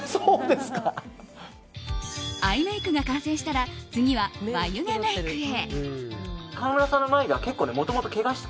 アイメイクが完成したら次は眉毛メイクへ。